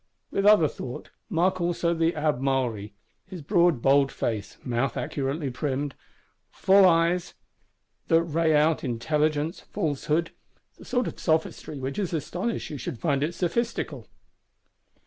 With other thought, mark also the Abbé Maury: his broad bold face; mouth accurately primmed; full eyes, that ray out intelligence, falsehood,—the sort of sophistry which is astonished you should find it sophistical.